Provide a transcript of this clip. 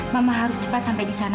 mama sakit semalam